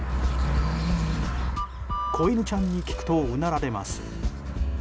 子犬ちゃんに聞くとうなられます。